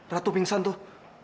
ratu pingsan tuh